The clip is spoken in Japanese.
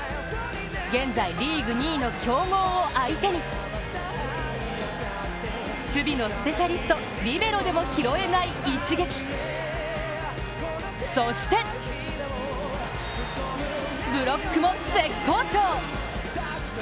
現在リーグ２位の強豪を相手に守備のスペシャリスト、リベロでも拾えない一撃、そしてブロックも絶好調。